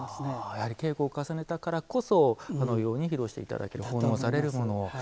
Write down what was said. やはり稽古を重ねたからこそあのように披露していただける奉納されるもの。